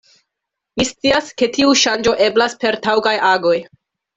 Ni scias, ke tiu ŝanĝo eblas per taŭgaj agoj.